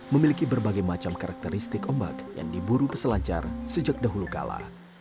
memiliki berbagai macam karakteristik ombak yang diburu peselancar sejak dahulu kala